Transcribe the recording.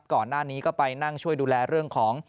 ก่อนหน้านี้ก็ไปนั่งช่วยดูแลเรื่องของ